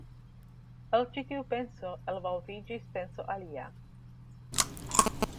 El ĉi tiu penso elvolviĝis penso alia.